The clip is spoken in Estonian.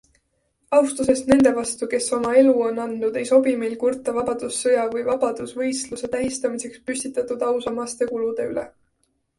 Austusest nende vastu, kes oma elu on andnud, ei sobi meil kurta Vabadussõja või vabadusvõitluse tähistamiseks püstitatud ausammaste kulude üle.